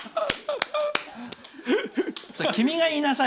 君が言いなさい！